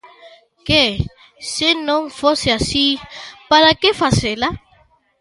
Que, se non fose así, para que facela.